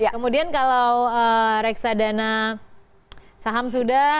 kemudian kalau reksadana saham sudah